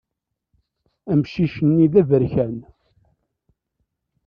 Amcic-nni d aberkan.